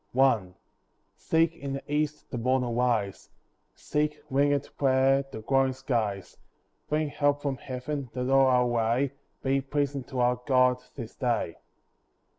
I See in the east the morn arise; Seek, wingèd prayer, the glowing skies; Bring help from Heaven, that all our way Be pleasing to our God this day.